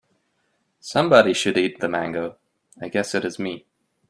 Somebody should eat the mango, I guess it is me.